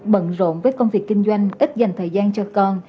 bận rộn với công việc kinh doanh ít dành thời gian cho con